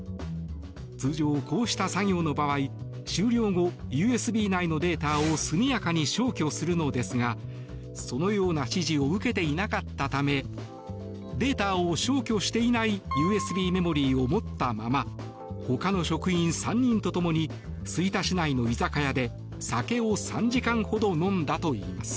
通常、こうした作業の場合終了後、ＵＳＢ内のデータを速やかに消去するのですがそのような指示を受けていなかったためデータを消去していないＵＳＢメモリーを持ったまま他の職員３人と共に吹田市内の居酒屋で酒を３時間ほど飲んだといいます。